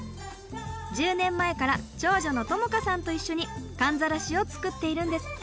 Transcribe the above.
１０年前から長女の孝佳さんと一緒にかんざらしを作っているんですって。